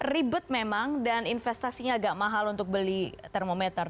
ribet memang dan investasinya agak mahal untuk beli termometer